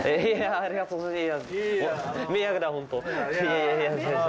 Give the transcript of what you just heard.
ありがとうございます。